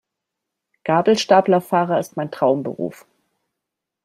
Gabelstaplerfahrer ist mein Traumberuf.